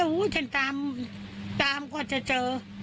ของแท้ฉันตามกว่าจะเจอ